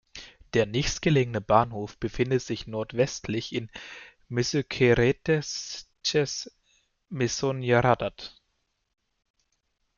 Der nächstgelegene Bahnhof befindet sich nordwestlich in Mezőkeresztes-Mezőnyárád.